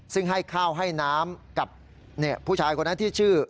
ซึ่งให้ข้าวให้น้ำกับผู้ชายคนนั้นที่ชื่อ